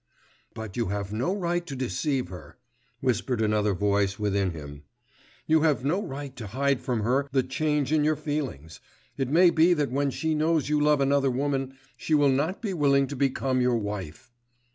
But you have no right to deceive her,' whispered another voice within him. 'You have no right to hide from her the change in your feelings; it may be that when she knows you love another woman, she will not be willing to become your wife?